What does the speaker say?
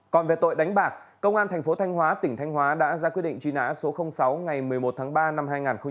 còn về tội đánh bạc công an thành phố thanh hóa tỉnh thanh hóa đã ra quyết định truy nã số sáu ngày một mươi một tháng ba năm hai nghìn một mươi bảy